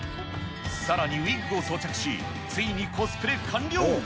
さらにウイッグを装着し、ついにコスプレ完了。